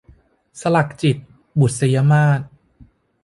สลักจิต - บุษยมาส